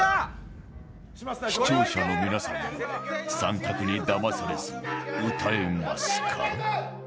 視聴者の皆さんも３択にだまされず歌えますか？